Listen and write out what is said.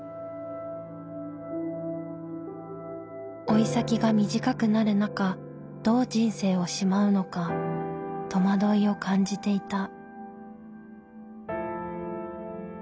老い先が短くなる中どう人生をしまうのか戸惑いを感じていた。